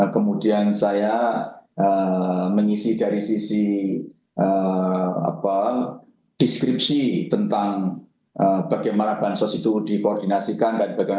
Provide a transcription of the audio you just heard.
kemudian saya mengisi dari sisi deskripsi tentang bagaimana bansos itu dikoordinasikan dan sebagainya